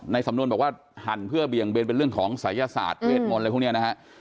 สำนวนบอกว่าหั่นเพื่อเบี่ยงเบนเป็นเรื่องของศัยศาสตร์เวทมนต์อะไรพวกนี้นะฮะ